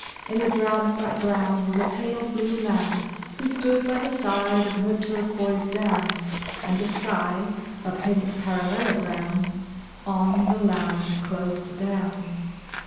In the drab background was a pale blue lamb Who stood by the side of her turquoise dam, And the sky a pink parallelogram On the lamb closed down.